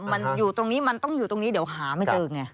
มันอยู่ตรงนี้มันต้องอยู่ตรงนี้เดี๋ยวหาไม่เจอไง